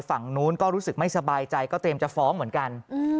ฝั่งนู้นก็รู้สึกไม่สบายใจก็เตรียมจะฟ้องเหมือนกัน